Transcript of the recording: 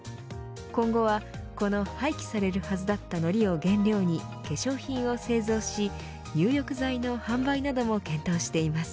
今後は、この廃棄されるはずだったのりを原料に化粧品を製造し入浴剤の販売なども検討しています。